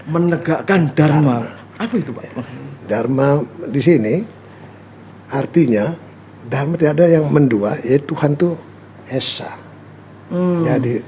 menegakkan dharma dharma disini artinya dharma tiada yang mendua yaitu tuhan tuh hessa jadi